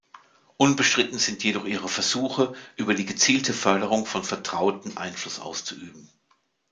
Unbestritten sind jedoch ihre Versuche, über die gezielte Förderung von Vertrauten Einfluss auszuüben.